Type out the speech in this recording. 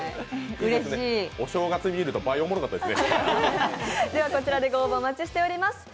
うれしい。お正月見ると、倍おもろかったですね。